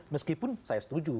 meskipun saya setuju